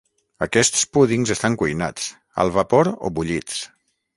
Aquests púdings estan cuinats, al vapor o bullits.